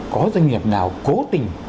có doanh nghiệp nào cố tình